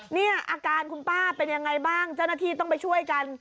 เนี่ยอาการคุณป้าเป็นยังไงบ้างเจ้าหน้าที่ต้องไปช่วยกัน